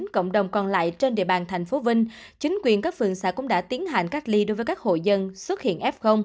cộng đồng còn lại trên địa bàn tp vinh chính quyền các phường xã cũng đã tiến hành cách ly đối với các hộ dân xuất hiện f